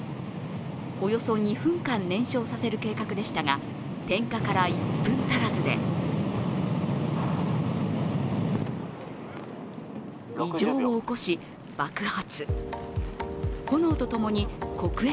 およそ２分間燃焼させる計画でしたが、点火から１分足らずで異常を起こし、爆発。